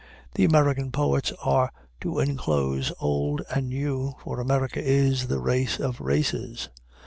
The American poets are to inclose old and new, for America is the race of races.